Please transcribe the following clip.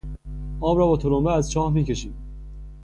آب را با تلمبه از چاه میکشیم.